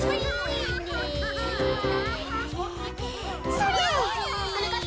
それ！